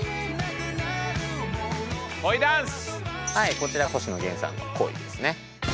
こちら星野源さんの「恋」ですね。